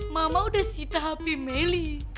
mama udah cerita hp meli